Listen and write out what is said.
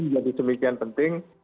menjadi semikian penting